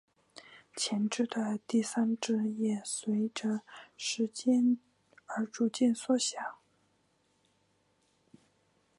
前肢的第三指也随者时间而逐渐缩小。